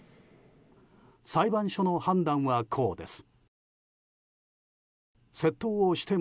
裁判所の判断はこうです。